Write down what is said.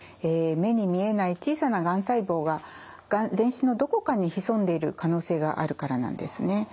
目に見えない小さながん細胞が全身のどこかに潜んでいる可能性があるからなんですね。